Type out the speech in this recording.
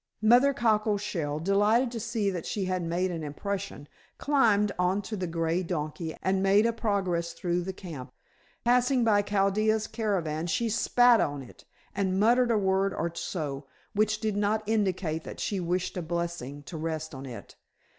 Mother Cockleshell, delighted to see that she had made an impression, climbed on to the gray donkey and made a progress through the camp. Passing by Chaldea's caravan she spat on it and muttered a word or so, which did not indicate that she wished a blessing to rest on it.